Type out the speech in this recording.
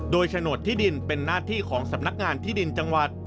โดยโฉนดที่ดินเป็นหน้าที่ของสำนักงานที่ดินจังหวัด